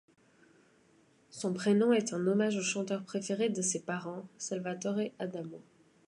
Son prénom est un hommage au chanteur préféré de ses parents, Salvatore Adamo.